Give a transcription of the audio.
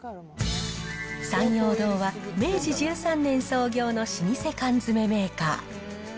サンヨー堂は、明治１３年創業の老舗缶詰メーカー。